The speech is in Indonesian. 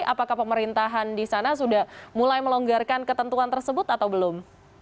apakah pemerintahan di sana sudah mulai melonggarkan ketentuan tersebut atau belum